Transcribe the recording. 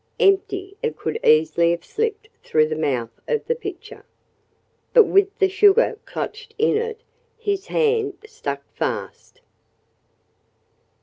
Empty, it could easily have slipped through the mouth of the pitcher. But with the sugar clutched in it, his hand stuck fast.